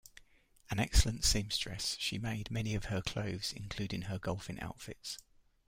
An excellent seamstress, she made many of her clothes, including her golfing outfits.